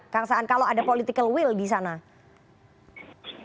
kang saan kalau ada political will disana